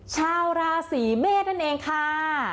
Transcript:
ชาวราศีเมษนั่นเองค่ะ